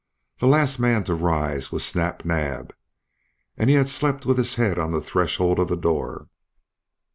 The last man to rise was Snap Naab, and he had slept with his head on the threshold of the door.